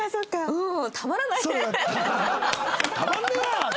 うん。